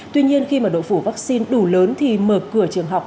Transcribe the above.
tuy nhiên khi mà độ phủ vaccine đủ lớn thì mở cửa trường học